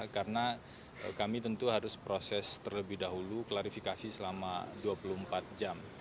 karena kami tentu harus proses terlebih dahulu klarifikasi selama dua puluh empat jam